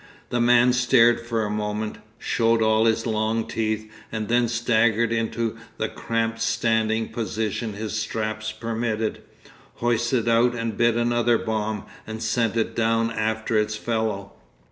The man stared for a moment, showed all his long teeth, and then staggered into the cramped standing position his straps permitted, hoisted out and bit another bomb, and sent it down after its fellow.